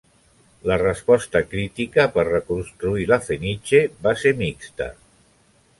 La resposta crítica per reconstruir La Fenice va ser mixta.